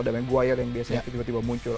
ada manguir yang tiba tiba muncul